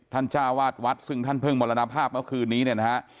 ท่านจ้าวาสวัดซึ่งท่านเพิ่งมรณภาพเมื่อคืนนี้นะฮะ